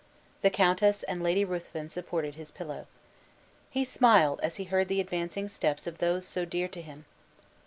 The countess and Lady Ruthven supported his pillow. He smiled as he heard the advancing steps of those so dear to him.